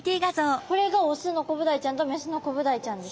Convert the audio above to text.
これがオスのコブダイちゃんとメスのコブダイちゃんですよね。